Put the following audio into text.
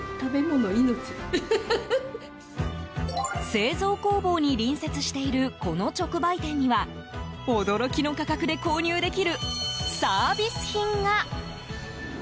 製造工房に隣接しているこの直売店には驚きの価格で購入できるサービス品が。